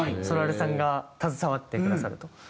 そらるさんが携わってくださると。